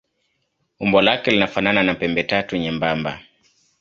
Umbo lake linafanana na pembetatu nyembamba.